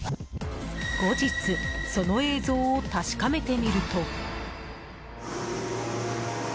後日、その映像を確かめてみると。